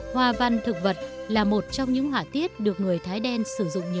hoa văn thực vật là một trong những họa tiết được người thái đen sử dụng nhiều